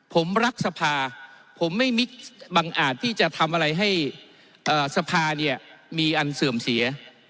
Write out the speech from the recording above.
ผมรักสภาผมไม่มิกบังอาจที่จะทำอะไรให้สภาเนี่ยมีอันเสื่อมเสีย